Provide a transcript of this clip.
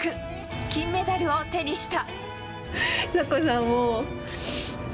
金メダルを手にした！